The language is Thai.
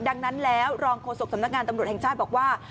ดังนั้นแล้วรองโฆษกสำนักงานตำรวจแห่งชาติบอกว่า